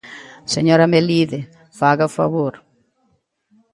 Señora Melide, faga o favor.